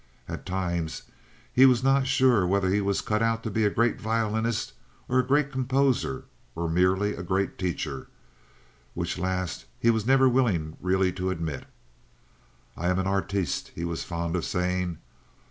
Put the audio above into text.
At times he was not sure whether he was cut out to be a great violinist or a great composer, or merely a great teacher, which last he was never willing really to admit. "I am an arteest," he was fond of saying.